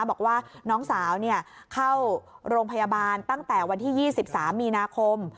บอกว่าน้องสาวเข้าโรงพยาบาลตั้งแต่วันที่๒๓มีนาคม